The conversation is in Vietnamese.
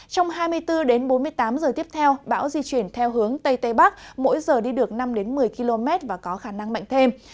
trong hai mươi bốn bốn mươi tám giờ tiếp theo bão di chuyển theo hướng tây tây bắc mỗi giờ đi được năm một mươi km và có khả năng mạnh thêm